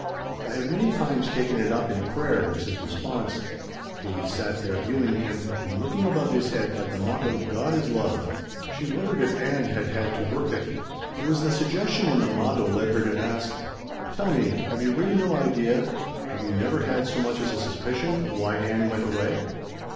"I have many times taken it up in prayer," was his response. Katie sat there viewing him and looking above his head at the motto "God Is Love." She wondered if Ann had had to work it. It was the suggestion in the motto led her to ask: "Tell me, have you really no idea, have you never had so much as a suspicion of why Ann went away?"